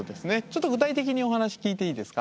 ちょっと具体的にお話聞いていいですか。